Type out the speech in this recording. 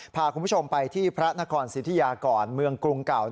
พาคุณผู้ชมไปที่พระนครสิทธิยาก่อนเมืองกรุงเก่า